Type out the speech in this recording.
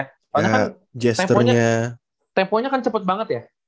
karena kan temponya kan cepet banget ya